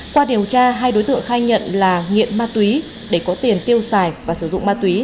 qua điều tra hai đối tượng khai nhận là nghiện ma túy để có tiền tiêu xài và sử dụng ma túy